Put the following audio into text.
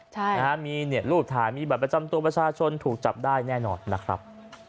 ถ้ามีรูปถ่ายมีบัตรประจำตัวประชาชนถูกจับได้แน่นอนนะครับ